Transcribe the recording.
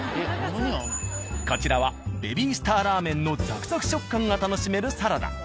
こちらはベビースターラーメンのザクザク食感が楽しめるサラダ。